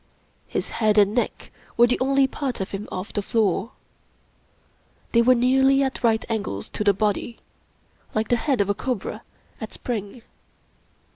His head and neck were the only parts of him off the floor. They were nearly at right angles to the body, like the head of a cobra at spring.